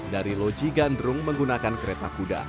dari loji gandrung menggunakan kereta kuda